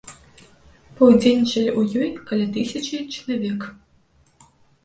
Паўдзельнічалі ў ёй каля тысячы чалавек.